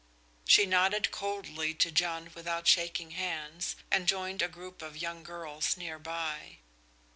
She nodded coldly to John without shaking hands, and joined a group of young girls near by.